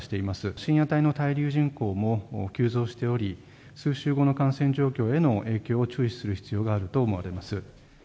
深夜帯の滞留人口も急増しており、数週後の感染状況への影響を注視する必要があると思われます。